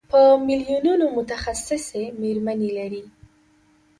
په میلیونونو متخصصې مېرمنې لري.